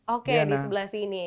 oke di sebelah sini